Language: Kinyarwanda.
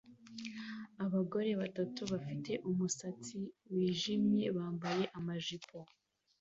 Abagore batatu bafite umusatsi wijimye bambaye amajipo